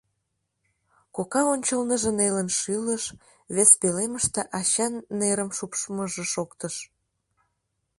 Кока ончылныжо нелын шӱлыш, вес пӧлемыште ачан нерым шупшмыжо шоктыш.